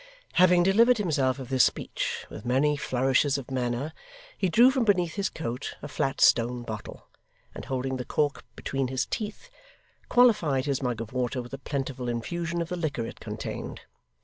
Having delivered himself of this speech with many flourishes of manner, he drew from beneath his coat a flat stone bottle, and holding the cork between his teeth, qualified his mug of water with a plentiful infusion of the liquor it contained.